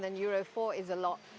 dan euro empat lebih rendah